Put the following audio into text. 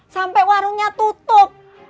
sampai warungnya tutup